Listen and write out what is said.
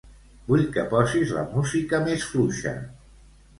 Vull que posis la música més fluixa.